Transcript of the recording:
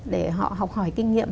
để họ học hỏi kinh nghiệm